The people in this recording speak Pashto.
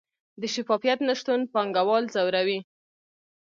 د شفافیت نشتون پانګوال ځوروي؟